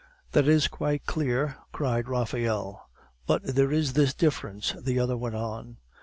"That is quite clear," cried Raphael. "But there is this difference," the other went on.